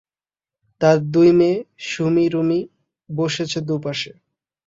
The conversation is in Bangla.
তাঁর দুই মেয়ে সুমী রুমী বসেছে দু পাশে।